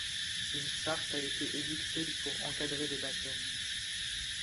Une charte a été édictée pour encadrer les baptêmes.